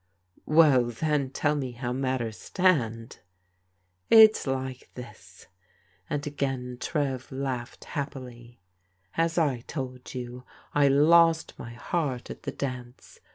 " Well, then, tell me how matters stand." " It's like this," and again Trev laughed happily. " As I told you, I lost my heart at the dance.